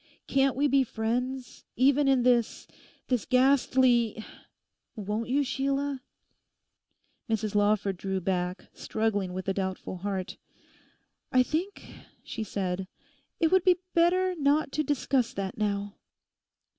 Can't we be friends even in this—this ghastly—Won't you, Sheila?' Mrs Lawford drew back, struggling with a doubtful heart. 'I think,' she said, 'it would be better not to discuss that now.